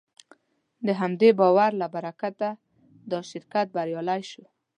د همدې باور له برکته دا شرکت بریالی شو.